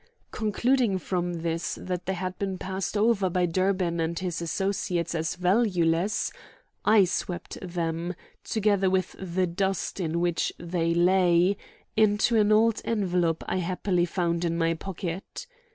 Concluding from this that they had been passed over by Durbin and his associates as valueless, I swept them, together with the dust in which they lay, into an old envelope I happily found in my pocket.